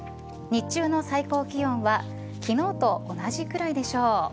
日中の最高気温は昨日と同じくらいでしょう。